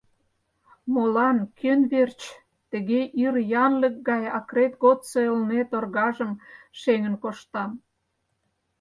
Молан, кӧн верч тыге ир янлык гай акрет годсо Элнет оргажым шеҥын коштам?